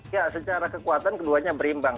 ya secara kekuatan keduanya berimbang